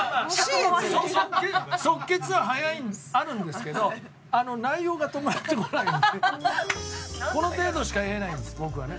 即決はあるんですけど内容が伴ってこないのでこの程度しか言えないんです僕はね。